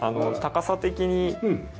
高さ的に。